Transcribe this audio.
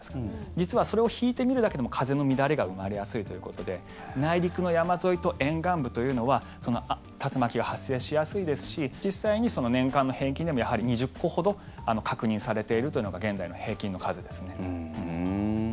実はそれを引いてみるだけでも風の乱れが生まれやすいということで内陸の山沿いと沿岸部というのは竜巻が発生しやすいですし実際に年間の平均でもやはり２０個ほど確認されているのが現在の平均の数ですね。